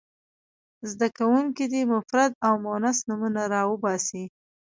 زده کوونکي دې مفرد او مؤنث نومونه را وباسي.